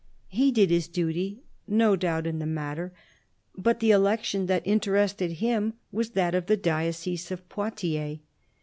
He did his duty, no doubt, in the matter ; but the election that interested him was that of the diocese of Poitiers.